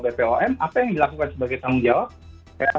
bpom apa yang dilakukan sebagai tanggung jawab